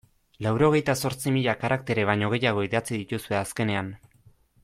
Laurogeita zortzi mila karaktere baino gehiago idatzi dituzue azkenean.